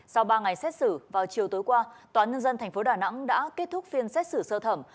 sau ba ngày xét xử vào chiều tối qua tòa nhân dân tp đà nẵng đã kết thúc phiên xét xử sơ thẩm